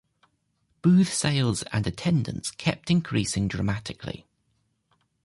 Booth sales and attendance kept increasing dramatically.